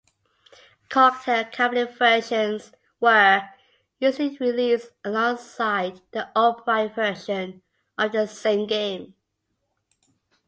Cocktail cabinet versions were usually released alongside the upright version of the same game.